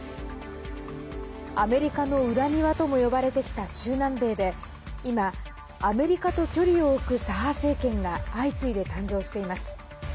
アメリカの裏庭とも呼ばれてきた中南米で今、アメリカと距離を置く左派政権が相次いで誕生しています。